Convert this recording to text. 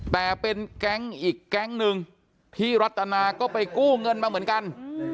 แต่เป็นแก๊งอีกแก๊งหนึ่งที่รัตนาก็ไปกู้เงินมาเหมือนกัน